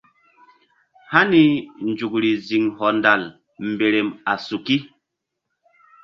Hani nzukri ziŋ hɔndal mberem a suki.